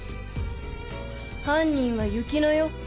犯人は雪乃よ。